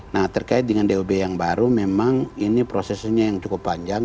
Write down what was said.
nah terkait dengan dob yang baru memang ini prosesnya yang cukup panjang